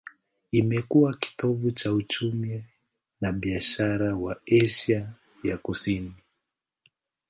Imekuwa kitovu cha uchumi na biashara kwa Asia ya Kusini.